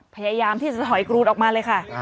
พยายามที่จะถอยกรูดออกมาเลยค่ะ